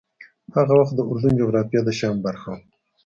هغه وخت د اردن جغرافیه د شام برخه وه.